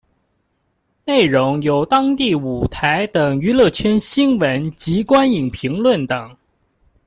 内容有当地舞台等娱乐圈新闻及观影评论等。